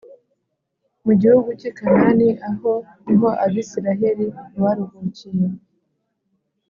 mu gihugu cy i Kanani aho niho abisiraheli baruhukiye